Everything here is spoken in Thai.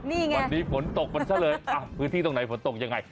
นี่ไงฝนตกมันเฉยเลยอ่ะพื้นที่ตรงไหนฝนตกยังไง